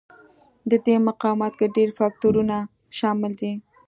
د دې مقاومت کې ډېر فکټورونه شامل دي.